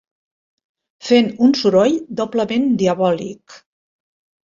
Fent un soroll doblement diabòlic